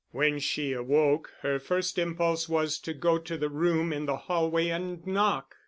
When she awoke, her first impulse was to go to the room in the hallway and knock.